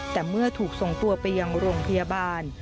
แต่เมื่อถูกส่งตัวไปยังโรงพยาบาล